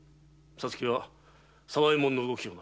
皐月は沢右衛門の動きを。